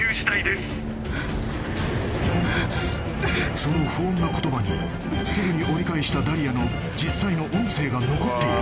［その不穏な言葉にすぐに折り返したダリアの実際の音声が残っている］